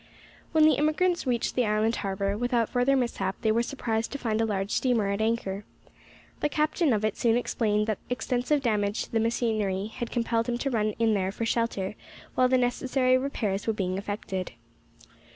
When the emigrants reached the island harbour, without further mishap, they were surprised to find a large steamer at anchor. The captain of it soon explained that extensive damage to the machinery had compelled him to run in there for shelter while the necessary repairs were being effected.